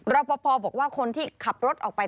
รอปภบอกว่าคนที่ขับรถออกไป